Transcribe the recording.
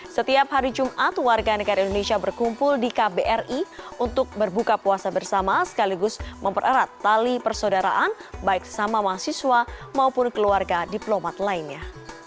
setiap hari jumat warga negara indonesia berkumpul di kbri untuk berbuka puasa bersama sekaligus mempererat tali persaudaraan baik sama mahasiswa maupun keluarga diplomat lainnya